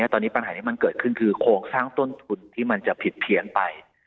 ตอนนี้ปัญหาที่มันเกิดขึ้นคือโครงสร้างต้นทุนที่มันจะผิดเพี้ยนไป